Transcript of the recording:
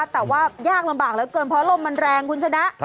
แต่ว่ายากลำบากเหลือเกินเพราะลมมันแรงคุณชนะ